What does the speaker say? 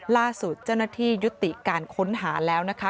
ล่าสุดเจ้าหน้าที่ยุติการค้นหาแล้วนะคะ